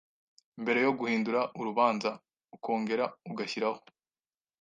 Mbere yo guhindura urabanza ukongera ugashyiraho